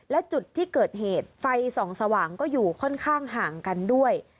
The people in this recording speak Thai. และจุดที่เกิดเหตุไฟส่องสว่างก็อยู่ค่อนข้างห่างกันด้วย